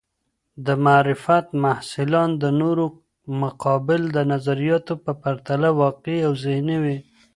د معرفت محصلان د نورو مقابل د نظریاتو په پرتله واقعي او ذهني وي.